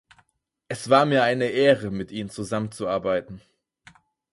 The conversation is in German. Es war mir eine Ehre, mit Ihnen zusammenzuarbeiten.